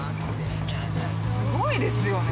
すごいですよね